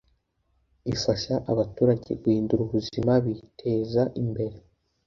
ifasha abaturage guhindura ubuzima biteza imbere